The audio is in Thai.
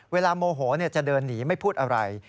โมโหจะเดินหนีไม่พูดอะไร